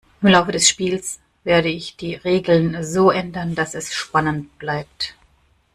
Im Laufe des Spiels werde ich die Regeln so ändern, dass es spannend bleibt.